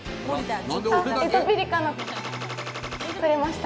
エトピリカの○○取れました。